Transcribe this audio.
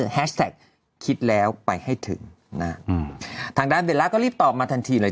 แฮชแท็กคิดแล้วไปให้ถึงนะฮะอืมทางด้านเบลล่าก็รีบตอบมาทันทีเลย